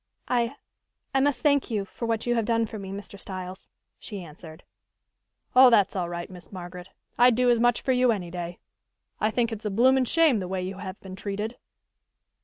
"I I must thank you for what you have done for me, Mr. Styles," she answered. "Oh, that's all right, Miss Margaret. I'd do as much for you any day. I think it's a bloomin' shame the way you have been treated."